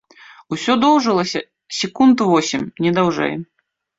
Усё доўжылася секунд восем, не даўжэй.